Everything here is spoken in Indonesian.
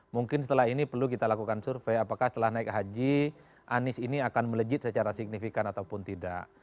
mungkin setelah ini perlu kita lakukan survei apakah setelah naik haji anies ini akan melejit secara signifikan ataupun tidak